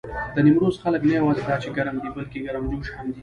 د نيمروز خلک نه یواځې دا چې ګرم دي، بلکې ګرمجوش هم دي.